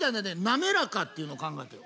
なめらかっていうの考えてん。